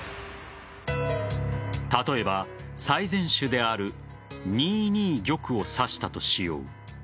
例えば、最善手である２二玉を指したとしよう。